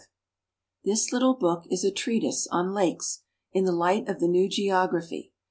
This little book is a treatise on lakes, in the light of the new geography.